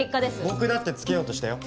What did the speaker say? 僕だってつけようとしたよ。